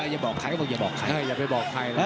อย่าบอกใครก็บอกอย่าบอกใคร